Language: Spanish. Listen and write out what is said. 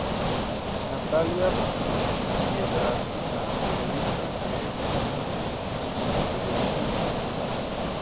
Natalia Piedrahita Periodista, cree firmemente en el periodismo y en la verdad.